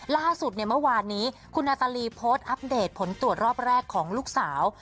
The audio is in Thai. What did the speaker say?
ล่าสุดเนี่ยเมื่อวานนี้คุณนาตาลีโพสต์อัปเดตผลตรวจรอบแรกของลูกสาว